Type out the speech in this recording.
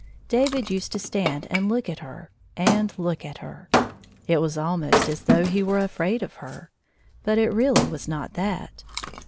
David used to stand and look at her, and look at her. It was ahnost as though he were afraid of her, but it really waa not that.